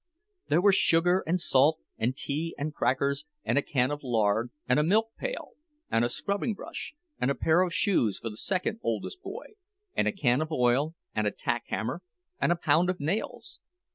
There were sugar and salt and tea and crackers, and a can of lard and a milk pail, and a scrubbing brush, and a pair of shoes for the second oldest boy, and a can of oil, and a tack hammer, and a pound of nails.